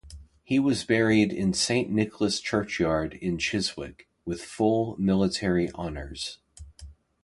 He was buried in Saint Nicholas' churchyard in Chiswick, with full military honours.